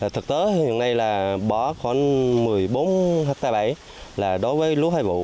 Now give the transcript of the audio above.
thực tế hiện nay là bỏ khoảng một mươi bốn ha là đối với lúa hai vụ